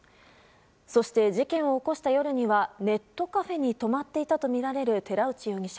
そして、事件を起こした夜にはネットカフェに泊まっていたとみられる寺内容疑者。